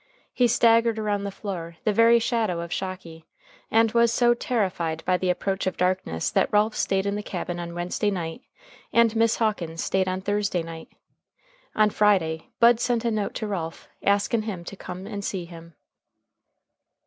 He staggered around the floor, the very shadow of Shocky, and was so terrified by the approach of darkness that Ralph staid in the cabin on Wednesday night and Miss Hawkins staid on Thursday night. On Friday, Bud sent a note to Ralph, askin him to come and see him.